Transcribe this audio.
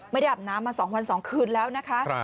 ไม่ได้อาบน้ำมาสองวันสองคืนแล้วนะคะ